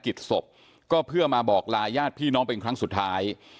กิจศพก็เพื่อมาบอกลาญาติพี่น้องเป็นครั้งสุดท้าย